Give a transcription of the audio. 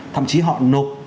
thậm chí họ nộp